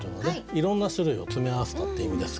いろんな種類を詰め合わせたって意味ですけど